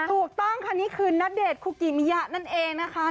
ถูกต้องค่ะนี่คือณเดชน์คุกิมิยะนั่นเองนะคะ